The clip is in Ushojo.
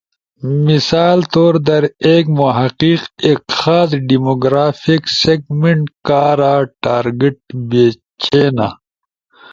مثال طور در ایک محقق ایک خاص ڈیموگرافک سیگمنٹ کارا ٹارگٹ بیچینا۔